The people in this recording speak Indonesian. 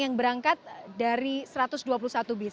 yang berangkat dari satu ratus dua puluh satu bis